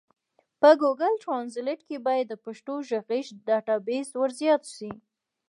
په ګوګل ټرانزلېټ کي بايد د پښتو ږغيز ډيټابيس ورزيات سي.